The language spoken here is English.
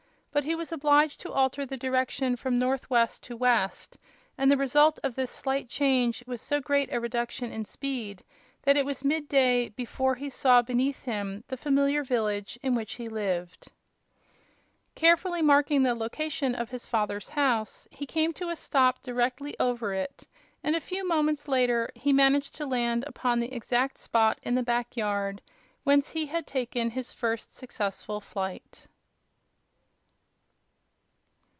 But he was obliged to alter the direction from northwest to west, and the result of this slight change was so great a reduction in speed that it was mid day before he saw beneath him the familiar village in which he lived. Carefully marking the location of his father's house, he came to a stop directly over it, and a few moments later he managed to land upon the exact spot in the back yard whence he had taken his first successful flight.